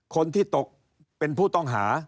คนที่ตกเป็นผู้ต้องหา